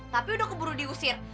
tapi udah keburu diusir